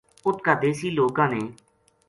اُت کا دیسی لوکاں نے